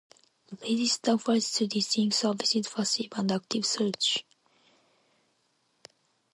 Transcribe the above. The register offers two distinct services: passive and active search.